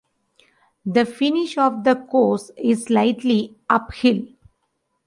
The finish of the course is slightly uphill.